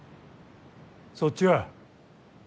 そっちは。